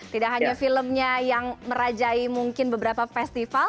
tidak hanya filmnya yang merajai mungkin beberapa festival